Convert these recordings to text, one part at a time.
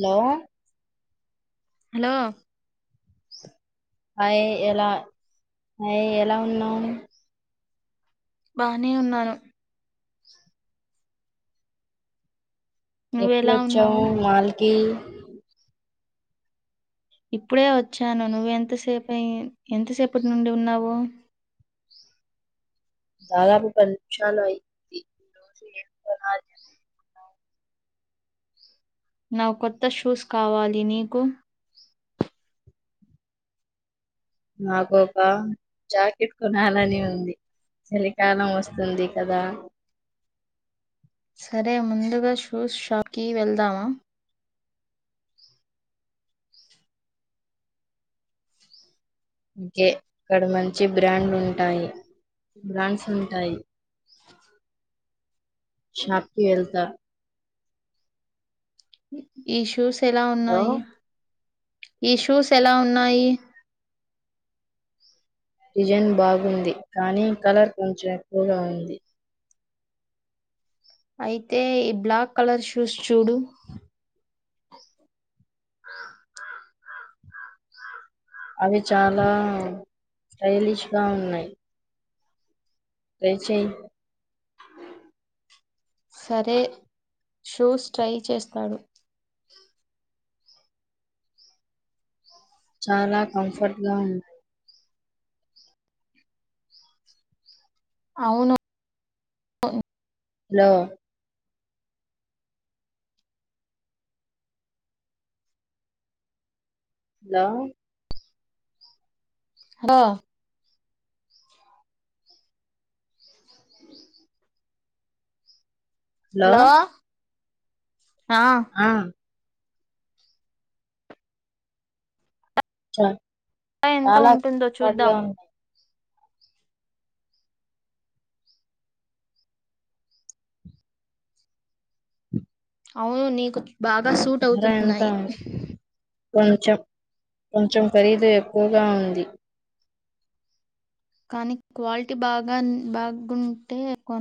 Hello hello అయ ఎలా అయ ఎలా ఉన్నావు బానే ఉన్నాను ఎప్పుడు నువ్వెలా వచ్చావు ఉన్నావు మాల కి ఇప్పుడే వచ్చాను నువ్వు ఎంతసేప ఎంతసేపటి నుండి ఉన్నావు దాదాపు పది నిముషాలు అయ్యింది రోజు ఎం నా కొత్త షూస్ కావాలి నీకు నాకొక జాకెట్ కొనాలని ఉంది చలికాలం వస్తుంది కదా సరే ముందుగా షూస్ షాప్ కి వెళ్దామా ఇంకే అక్కడ మంచి బ్రాండ్లు ఉంటాయి బ్రాండ్స్ ఉంటాయి షాప్కి వెళ్తా ఈషూస్ ఎలా లో ఉన్నాయి ఈ షూస్ ఎలా ఉన్నాయి డిజైన్ బాగుంది కానీ కలర్ కొంచెం ఎక్కువగా ఉంది అయితే ఈ బ్లాక్ కలర్ షూస్ చూడు అవి చాలా స్టైలిష్ గా ఉన్నాయి ట్రై చెయ్ సరే షూస్ ట్రై చేస్తాడు చాలా కంఫర్ట్గా ఉంది అవును హలో హలో హ హలో ఆ ఆ అ అలా ఎంత ఉంటుందో చూద్దాం అవును నీకు బాగా సూట్ అవుతున్నాయి కొెంచెం కొంచెం ఖరీదు ఎక్కువగా ఉంది కానీ క్వాలిటీ బాగా బాగుంటే కొ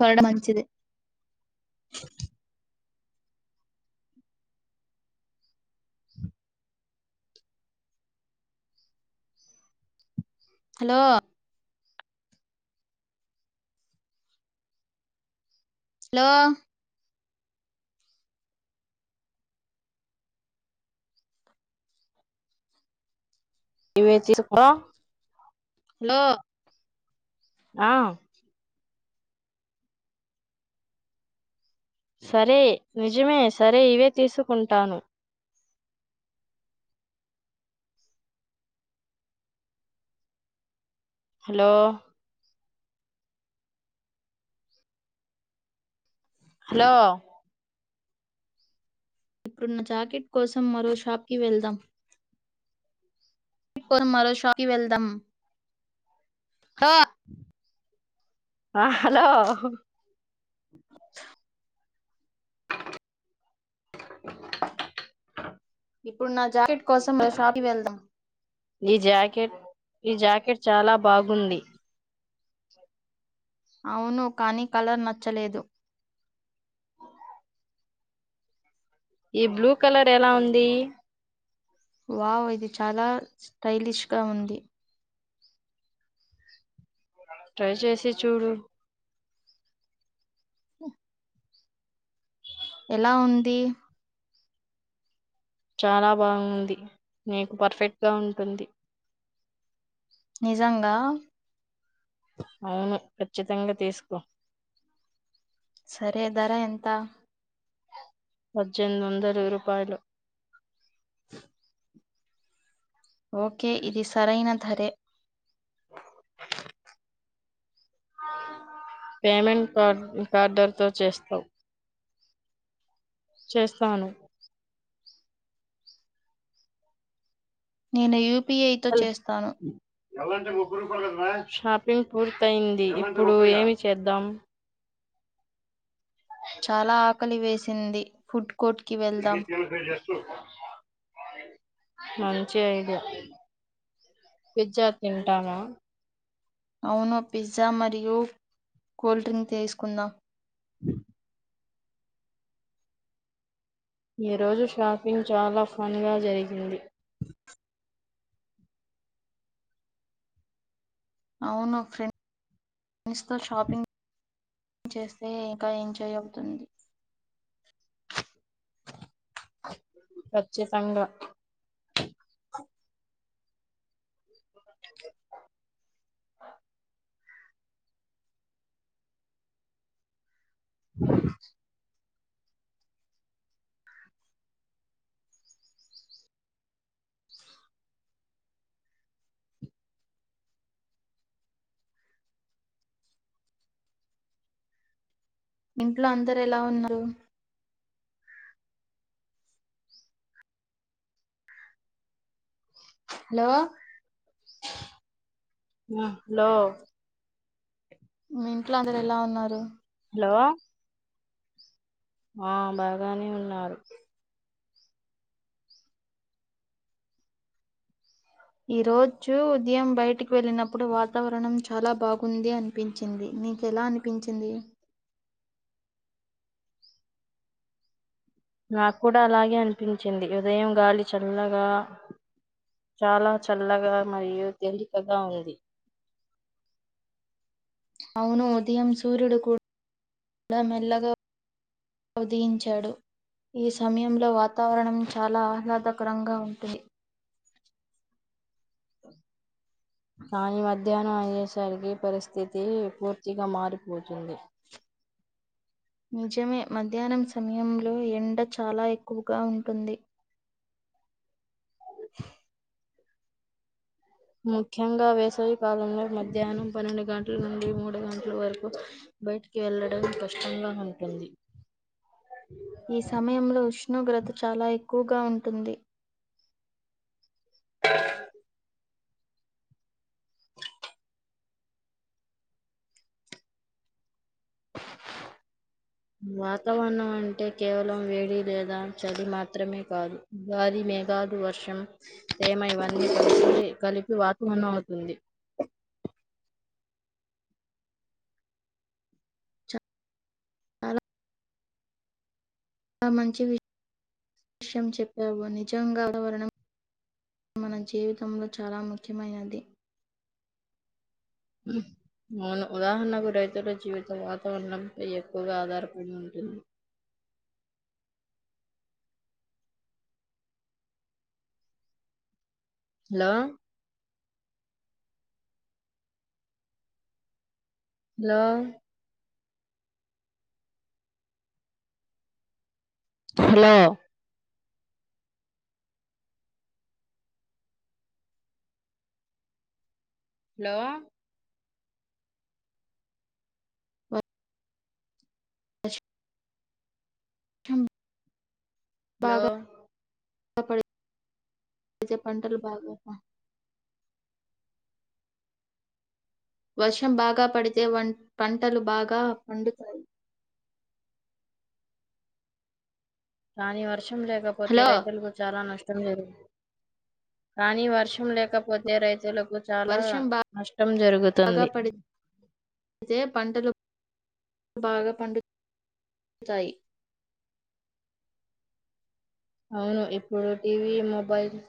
కొనడం మంచిది హలో హలో ఇవేచ్చిసుకో హలో ఆ సరే నిజమే సరే ఇవే తీసుకుంటాను హలో హలో ఇప్పుడున్న జాకెట్ కోసం మరో షాప్కి వెళ్దాం మరో షాప్కి వెళ్దాం ఆ హలో ఇప్పుడు నా జాకెట్ కోసం షాప్ కి వెళ్దాం ఈ జాకెట్ ఈ జాకెట్ చాలా బాగుంది అవును కానీ కలర్ నచ్చలేదు ఈ బ్లూ కలర్ ఎలా ఉంది వావ్ ఇది చాలా స్టైలిష్ గా ఉంది ట్రై చేసి చూడు స ఎలా ఉంది చాలా బాగుంది నీకు పర్ఫెక్ట్గా ఉంటుంది నిజంగా అవును ఖచ్చితంగా తీసుకో సరే ధర ఎంత పజ్జెంధ్వందల రూపాయలు ఓకే ఇది సరైన ధరే పేమెంట్ కార్డర్తో చేస్తావు చేస్తాను నేను యూ పి ఐ తో చేస్తాను షాపింగ్ పూర్తయింది. ఇప్పుడు ఏమి చేద్దాం చాలా ఆకలి వేసి సింది ఫుడ్ కోర్ట్కి వెళ్దాం మంచి ఐడియా పిజ్జా తింటావా అవును పిజ్జా మరియు కూల్ డ్రింక్ తీసుకుందా ఈ రోజు షాపింగ్ చాలా ఫన్ గా జరిగింది. అవును ఫ్రెండ్ ఫ్రెండ్స్తో షాపింగ్ చేస్తే ఇంకా ఎంజాయ్ అవుతుంది పచ్చి సంఘం ఇంట్లో అందరు ఎలా ఉన్నారు హలో హలో మీ ఇంట్లో అందరు ఎలా ఉన్నారు హలో ఆ బాగానే ఉన్నారు ఈ రోజు ఉదయం బయటికి వెళ్ళినప్పుడు వాతావరణం చాలా బాగుంది అనిపించింది నీకెలా అనిపించింది నాకు కూడా అలాగే అనిపించింది ఉదయం గాలి చల్లగా చాలా చల్లగా మరియు తేలికగా ఉంది అవును ఉదయం సూర్యుడు కూ డా మెల్లగా ఉదయించాడు, ఈ సమయంలో వాతావరణం చాలా ఆహ్లాదకరంగా ఉంటుంది. కానీ మధ్యా. నా అయ్యేసరికి పరిస్థితి పూర్తిగా మారిపోతుంది. నిజమే మధ్యాహ్నాం సమయంలో ఎండా చాలా ఎక్కువగా ఉంటుంది. ముఖ్యంగా వేసవి కాలంలో మధ్యాహ్నాం పన్నెండు గంటలు నుండి మూడు గంట్లు వరకు బయటికి వెళ్ళడం కష్టంగా ఉంటుంది. ఈ సమయంలో ఉష్ణోగ్రత చాలా ఎక్కుగా ఉంటుంది. వాతావణం అంటే కేవలం వేడి లేదా చలి మాత్రమే కాదు గాలి, మేఘాదు, వర్షం. ఏమా ఇవన్నీ కల్సీ. కలిపి వాతవణం అవుతుంది. చాలా మంచి వి షయం చెప్పావు నిజంగా [inaudible] మన జీవితంలో చాలా ముఖ్యమైనది. అవును ఉదాహణకు రైతుల జీవితం వాతావణంపై ఎక్కువగా ఆధారపడి ఉంటుంది. హాలో. లో. హాలో. లో. అ చెంబ్. లో. [inaudible] వర్షం బాగా పడితే వన్ పంటలు బాగా పండుతాయి. రాని వర్. ర్షం లేకపోతే హలో! రైతులకు చాలా నష్. కానీ వర్షం లేకపోతే రైతుల. [inaudible] చాలా వర్షం నష్టం బాగా జరుగుతుంది. పడితే పంటలు బాగా పండు తాయి. అవును ఇప్పుడు టీవీ, మొబైల్స్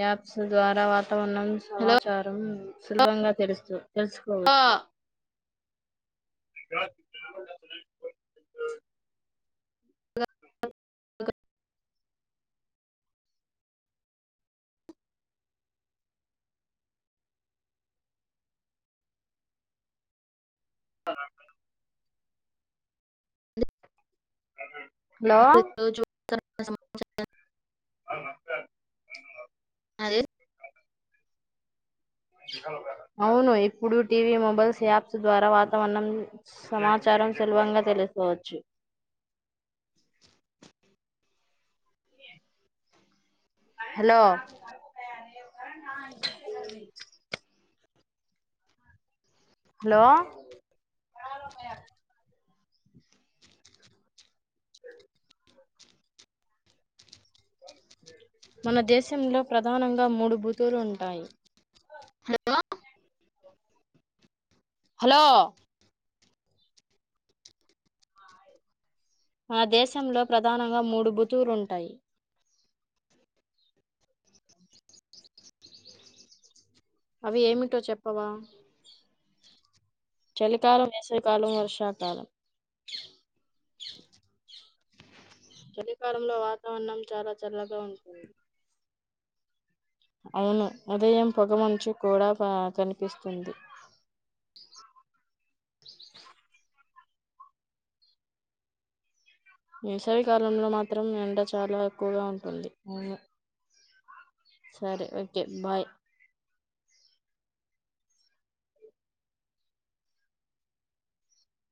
యాప్స్ ద్వారా వా.. తావనం హలో! సమాచారం. సులభంగా తెరుస్తూ. తెల్సుకోవచ్చు. అ అ [inaudible] [unintelligible] నక అదే. అవును ఇప్పుడు టీవీ, మొబైల్స్ యాప్స్ ద్వారా వాతావణం సమాచారం సుల్భంగా తెలుసుకోవచ్చు. హాలో. హాలో. మన దేశంలో ప్రధానంగా మూడు బూతులు ఉంటాయి హలో ఆ దేశంలో ప్రధానంగా మూడు బుతులుంటాయి అవి ఏమిటో చెప్పవా చలికాలం వేసవికాలం వర్షాకాలం చలికాలంలో వాతావరణం చాలా చల్లగా ఉంటుంది అవును ఉదయం పొగ మంచ కూడా కనిపిస్తుంది వేసవ కాలంలో మాత్రం ఎండ చాలా ఎక్కువగా ఉంటుంది సరే ఓకే బాయ్